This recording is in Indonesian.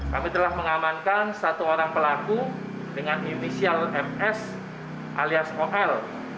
kami telah mengamankan satu orang pelaku dengan inisial ms alias ol